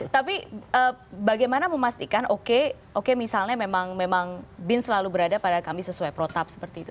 tapi bagaimana memastikan oke oke misalnya memang bin selalu berada pada kami sesuai protap seperti itu